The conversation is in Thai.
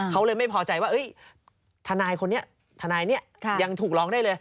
เขาเลยไม่พอใจว่าทนายคนนี้ทนายนี้ยังถูกร้องได้เลย